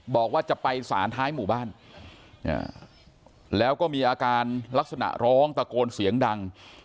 บอกว่าจะไปสารท้ายหมู่บ้านแล้วก็มีอาการลักษณะร้องตะโกนเสียงดัง